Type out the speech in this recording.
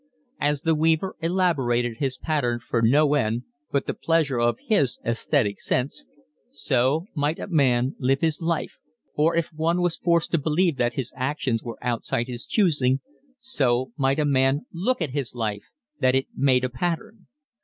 As the weaver elaborated his pattern for no end but the pleasure of his aesthetic sense, so might a man live his life, or if one was forced to believe that his actions were outside his choosing, so might a man look at his life, that it made a pattern.